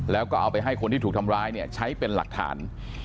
แล้วก็เอาไปให้คนที่ถูกทำร้ายเนี่ยใช้เป็นหลักฐาน